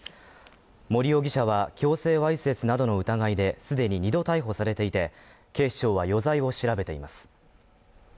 森容疑者は、強制わいせつなどの疑いで、既に２度逮捕されていて、警視庁は余罪を調べています。